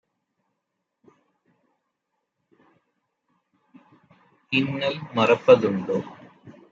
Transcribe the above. இன்னல் மறப்ப துண்டோ?"